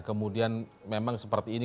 kemudian memang seperti ini